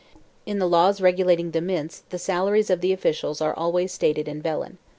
In the laws regulating the mints the salaries of the officials are always stated in vellon.